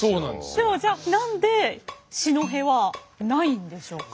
ではじゃあ何で四戸はないんでしょうか。